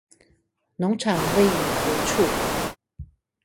農場位於何處？